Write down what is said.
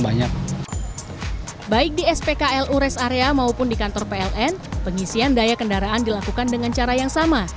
baik di spklu rest area maupun di kantor pln pengisian daya kendaraan dilakukan dengan cara yang sama